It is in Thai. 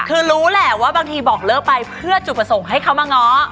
คือรู้แหละว่าบางทีบอกเลิกไปเพื่อจุดประสงค์ให้เขามาง้อ